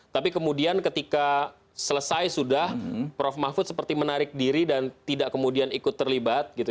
tapi kemudian ketika selesai sudah prof mahfud seperti menarik diri dan tidak kemudian ikut terlibat gitu